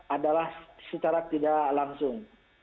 adalah secara tidak langsung